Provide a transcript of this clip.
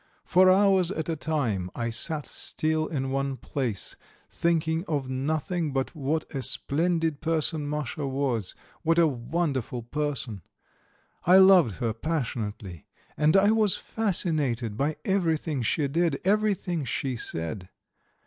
For hours at a time I sat still in one place, thinking of nothing but what a splendid person Masha was, what a wonderful person. I loved her passionately, and I was fascinated by everything she did, everything she said.